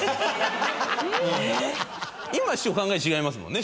今は師匠考え違いますもんね？